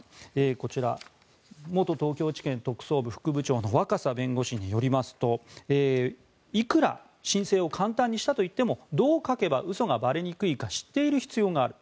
こちら元東京地検特捜部副部長の若狭弁護士によりますといくら申請を簡単にしたといってもどう書けば嘘がばれにくいか知っている必要がある。